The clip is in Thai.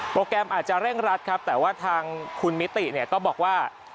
แกรมอาจจะเร่งรัดครับแต่ว่าทางคุณมิติเนี่ยก็บอกว่า